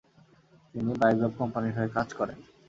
তিনি বায়োগ্রাফ কোম্পানির হয়ে কাজ করেন।